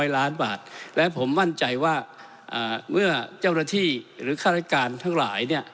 ๘๔๐๐ล้านบาทและผมมั่นใจว่าเมื่อเจ้าหน้าที่หรือข้าระการทั้งหลาย